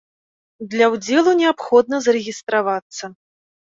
Для ўдзелу неабходна зарэгістравацца.